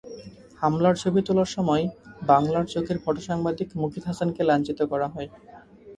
হামলার ছবি তোলার সময় বাংলার চোখ-এর ফটোসাংবাদিক মুকিত হাসানকে লাঞ্ছিত করা হয়।